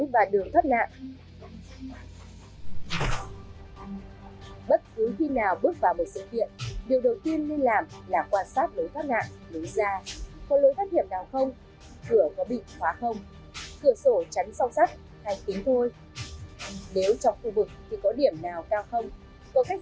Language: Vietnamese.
bất cứ khi nào bước vào một sự kiện điều đầu tiên nên làm là quan sát lối thoát nạn lối ra